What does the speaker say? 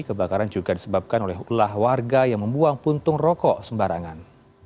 kebakaran juga disebabkan oleh ulah warga yang membuang puntung rokok sembarangan